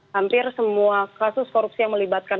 hampir semua kasus korupsi yang melibatkan